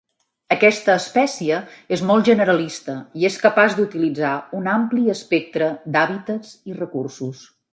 Aquesta espècie és molt generalista i és capaç d'utilitzar un ampli espectre d'hàbitats i recursos.